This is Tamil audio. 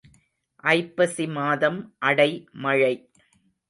ஐப்பசி மாதம் அடை மழை.